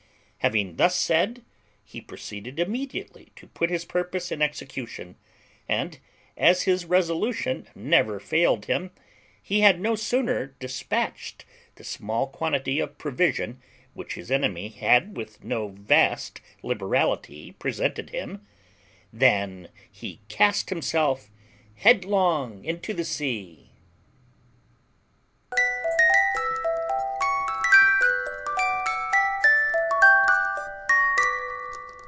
Having thus said, he proceeded immediately to put his purpose in execution, and, as his resolution never failed him, he had no sooner despatched the small quantity of provision which his enemy had with no vast liberality presented him, than he cast himself headlong into the sea.